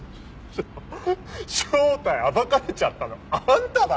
正体暴かれちゃったのあんただろ？